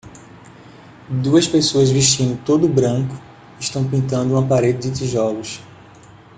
Duas pessoas vestindo todo branco estão pintando uma parede de tijolos.